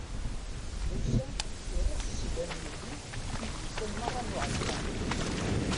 Musa iṛucc s idammen-nni, idisan meṛṛa n uɛalṭar.